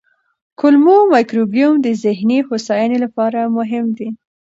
کولمو مایکروبیوم د ذهني هوساینې لپاره مهم دی.